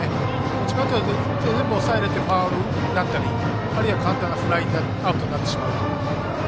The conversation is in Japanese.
どちらかというと全部抑えられてファウルになったりあるいは簡単にフライアウトになってしまう。